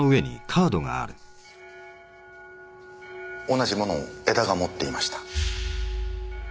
同じものを江田が持っていました。